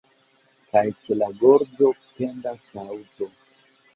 Kaj ĉe la gorĝo pendas haŭto.